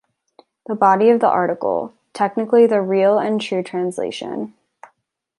The body of the article, technically the real and true translation.